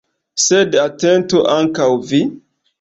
Sed atentu ankaŭ vi.